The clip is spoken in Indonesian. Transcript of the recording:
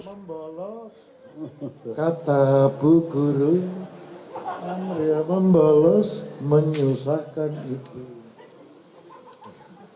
membalas kata bu guru membalas menyusahkan itu